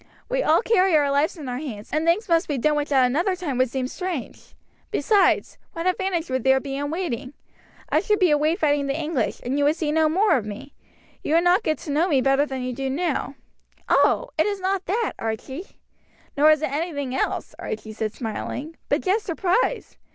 We all carry our lives in our hands, and things must be done which at another time would seem strange. Besides, what advantage would there be in waiting? I should be away fighting the English, and you would see no more of me. You would not get to know me better than you do now." "Oh! it is not that, Archie." "Nor is it anything else," Archie said smiling, "but just surprise.